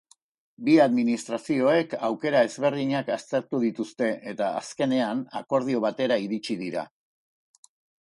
Bi administrazioek aukera ezberdinak aztertu dituzte eta azkenean akordio batera iritsi dira.